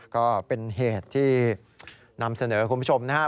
ก็เป็นเหตุที่นำเสนอคุณผู้ชมนะฮะ